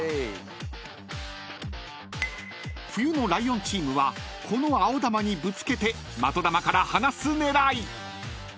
［冬のライオンチームはこの青球にぶつけて的球から離す狙い］